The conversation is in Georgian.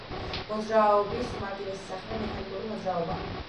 მოძრაობის უმარტივესი სახეა მექანიკური მოძრაობა